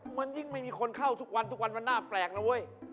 มันยิ่งไม่มีคนเข้าทุกวันทุกวันมันน่าแปลกนะเว้ย